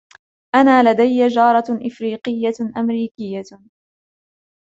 أنا لدي جارة أفريقية-أمريكية.